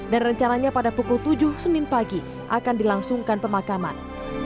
dan rencananya pada pukul tujuh senin pagi akan dilangsungkan pemakaman